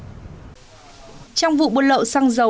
trong vụ bút lậu xăng dầu